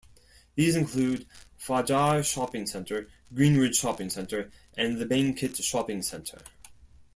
These include Fajar Shopping Centre, Greenridge Shopping Centre, and the Bangkit Shopping Centre.